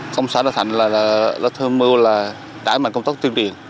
công xã đà thành là là thôn mưu là đải mạnh công tốc tuyên truyền